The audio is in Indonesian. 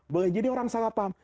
boleh jadi orang salah paham